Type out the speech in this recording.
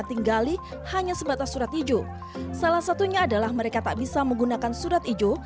tinggali hanya sebatas surat ijo salah satunya adalah mereka tak bisa menggunakan surat ijo